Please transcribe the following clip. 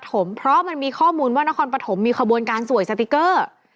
เพราะมันมีข้อมูลว่านครปฐมมีขบวนการสวยสติ๊กเกอร์